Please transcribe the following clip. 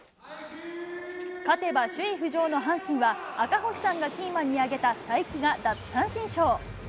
勝てば首位浮上の阪神は、赤星さんがキーマンに挙げた才木が奪三振ショー。